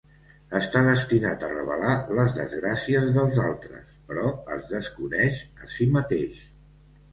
Està destinat a revelar les desgràcies dels altres, però es desconeix a si mateix.